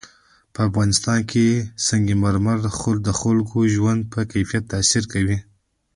په افغانستان کې سنگ مرمر د خلکو د ژوند په کیفیت تاثیر کوي.